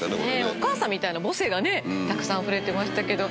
お母さんみたいな母性がねたくさんあふれてましたけど。